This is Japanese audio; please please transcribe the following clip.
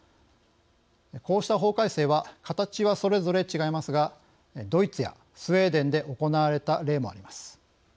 こうした法改正は形はそれぞれ違いますがドイツやスウェーデンで行われた例もあります。